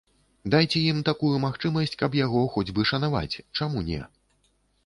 Дайце ім такую магчымасць, каб яго хоць бы шанаваць, чаму не?